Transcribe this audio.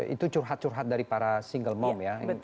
itu curhat curhat dari para single mom ya